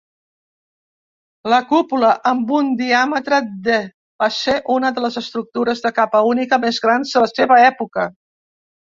La cúpula, amb un diàmetre de, va ser una de les estructures de capa única més grans de la seva època.